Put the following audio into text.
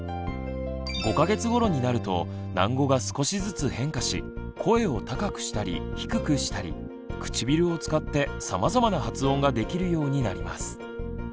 ５か月頃になると喃語が少しずつ変化し声を高くしたり低くしたり唇を使ってさまざまな発音ができるようになります。